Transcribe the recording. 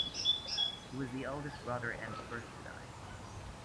He was the eldest brother and the first to die.